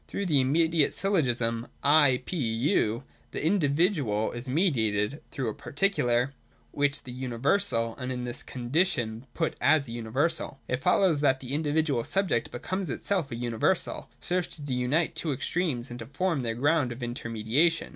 Through the immediate syllogism I — P — U, the In dividual is mediated (through a Particular) with the Universal, and in this conclusion put as a universal. It follows that the individual subject, becoming itself a universal, serves to unite the two extremes, and to form their ground of intermediation.